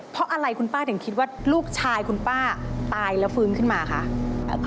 เพราะอะไรคุณป้าถึงคิดว่าลูกชายคุณป้าตายแล้วฟื้นขึ้นมาคะ